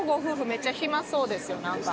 めっちゃ暇そうですよ何か。